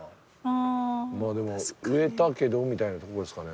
まぁでも植えたけどみたいなとこですかね。